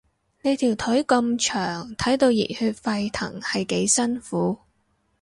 你條腿咁長，睇到熱血沸騰係幾辛苦